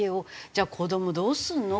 じゃあ子どもどうするの？